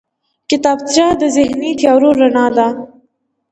کتابچه د ذهني تیارو رڼا ده